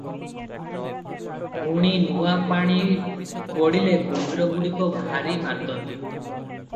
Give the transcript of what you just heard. ପୁଣି ନୂଆ ପାଣି ପଡ଼ିଲେ କୁମ୍ଭୀର ଗୁଡ଼ିକ ଭାରି ମାତନ୍ତି ।